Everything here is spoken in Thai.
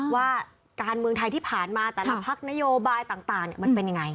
ว่าการเมืองไทยที่ผ่านมาแต่ละพักนโยบายต่างมันเป็นยังไง